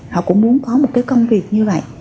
họ cũng muốn có một cái công việc như vậy